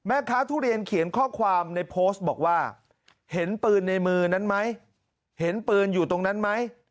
ทุเรียนเขียนข้อความในโพสต์บอกว่าเห็นปืนในมือนั้นไหมเห็นปืนอยู่ตรงนั้นไหม